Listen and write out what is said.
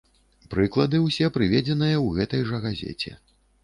Прыклады ўсе прыведзеныя ў гэтай жа газеце.